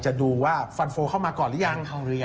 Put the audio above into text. ดูว่าฟันโฟเข้ามาก่อนหรือยัง